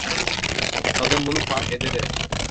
Kadın bunu fark ederek: